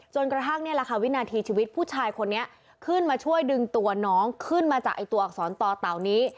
จนกระทั่งนี่แหละค่ะวินาทีชีวิตผู้ชายคนนี้ขึ้นมาช่วยดึงตัวน้องขึ้นมาจากตัวอักษรต่อเต่านี้